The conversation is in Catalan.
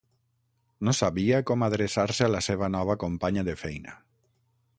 No sabia com adreçar-se a la seva nova companya de feina.